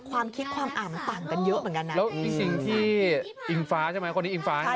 ความคิดความอ่านมันต่างกันเยอะเหมือนกันนะแล้วจริงที่อิงฟ้าใช่ไหมคนนี้อิงฟ้าใช่ไหม